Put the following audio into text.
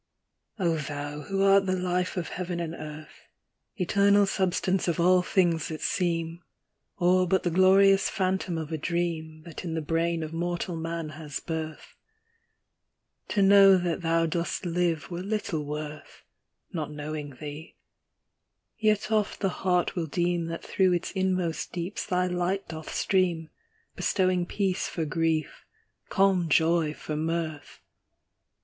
Oh Thou, who art the life of heaven and earth, Eternal Substance of all things that seem ; Or but the glorious phantom of a dream That in the brain of mortal man has birth : To know that Thou dost live were little worth, Not knowing Thee ; yet oft the heart will deem That through its inmost deeps Thy light doth stream, Bestowing peace for grief, calm joy for mirth.